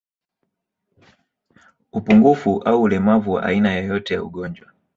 Upungufu au ulemavu wa aina yoyote ya ugonjwa